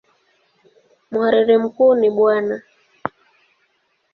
Mhariri mkuu ni Bw.